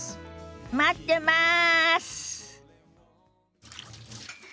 待ってます！